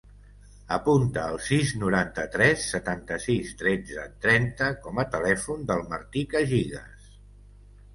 Apunta el sis, noranta-tres, setanta-sis, tretze, trenta com a telèfon del Martí Cagigas.